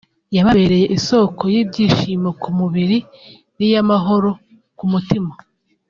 yababereye isoko y’ibyishimo ku mubiri niy’amahoro ku mutima